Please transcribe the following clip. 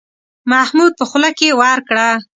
محمود په خوله کې ورکړه.